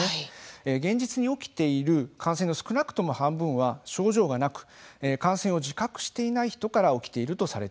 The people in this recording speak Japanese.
現実に起きている感染の少なくとも半分は症状がなく感染を自覚していない人から起きているとされています。